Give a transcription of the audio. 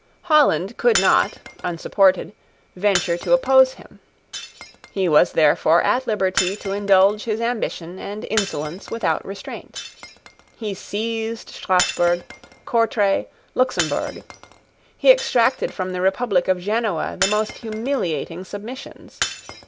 Holland could not, unsupported venture to oppose him. He was therefore at liberty to indulge his ambition and insolence without restraint. He seized Strasburg, Courtray, Luxemburg. He exacted from the republic of Genoa the most humiliating submissions.